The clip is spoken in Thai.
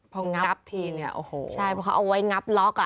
เพราะงับทีนี่โอ้โฮใช่เพราะเขาเอาไว้งับล็อก